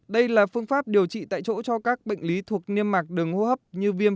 đây là phương pháp điều trị tại chỗ cho các bệnh lý thuộc niêm mạc đường hô hấp như viêm phế quản hen xuyễn